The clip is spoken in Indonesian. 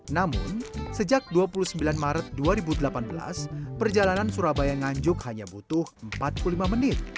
namun sejak dua puluh sembilan maret dua ribu delapan belas perjalanan surabaya nganjuk hanya butuh empat puluh lima menit